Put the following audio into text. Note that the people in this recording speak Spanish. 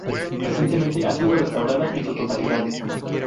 Recientemente ha sido restaurada en su totalidad.